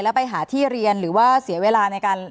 แล้วไปหาที่เรียนหรือว่าเสียเวลาในการ